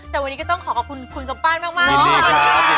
แต่วันนี้ก็ต้องขอขอบคุณคุณสมปั้นมากสวัสดีค่ะสวัสดีค่ะ